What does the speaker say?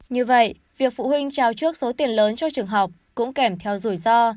như vậy việc phụ huynh trao trước số tiền lớn cho trường học cũng kèm theo rủi ro